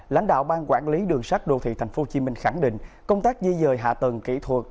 lãnh đạo ban quản lý đường sắt đô thị tp hcm khẳng định công tác di dời hạ tầng kỹ thuật